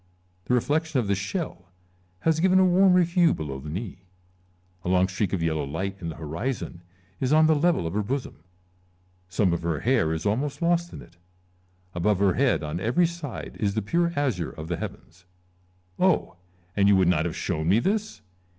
The reflection of the shell has given a warmer hue below the knee ; a long streak of yellow light in the horizon is on the level of her bosom, some of her hair is almost lost in it ; above her head on every side is the pure azure of the heavens. Oh ! and you would not have shown me this